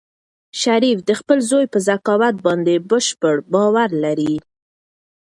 شریف د خپل زوی په ذکاوت باندې بشپړ باور لري.